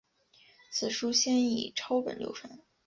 此书先以抄本流传。